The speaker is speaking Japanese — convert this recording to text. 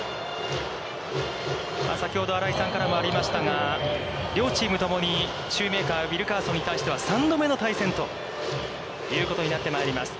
先ほど新井さんからもありましたが、両チームともにシューメーカー、ウィルカーソンに対しては、３度目の対戦ということになってまいります。